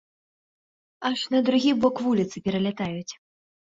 Аж на другі бок вуліцы пералятаюць.